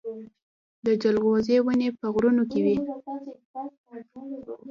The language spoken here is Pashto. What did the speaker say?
د جلغوزي ونې په غرونو کې وي